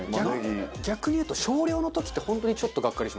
逆に言うと少量の時って本当にちょっとガッカリします。